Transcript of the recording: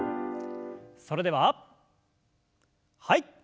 それでははい。